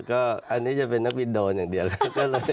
ก็อันนี้จะเป็นนักบินโดนอย่างเดียวเลย